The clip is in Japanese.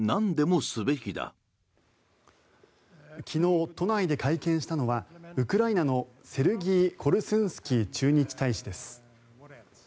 昨日、都内で会見したのはウクライナのセルギー・コルスンスキー駐日大使です。